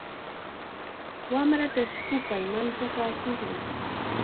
Wamratash hupay manchakaachishqa.